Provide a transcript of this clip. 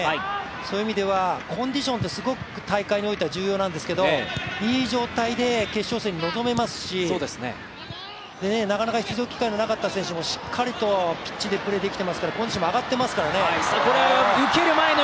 そういう意味ではコンディションってすごく大会においては重要なんですけれども、いい状態で決勝戦に臨めますしなかなか出場機会のなかった選手もしっかりとピッチでプレーできています。